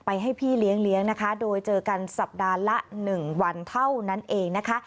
ให้พี่เลี้ยงเลี้ยงนะคะโดยเจอกันสัปดาห์ละ๑วันเท่านั้นเองนะคะ